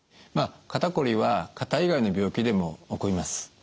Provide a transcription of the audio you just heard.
肩こりは肩以外の病気でも起こります。